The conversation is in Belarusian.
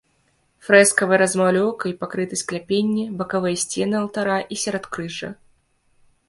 Фрэскавай размалёўкай пакрыты скляпенні, бакавыя сцены алтара і сяродкрыжжа.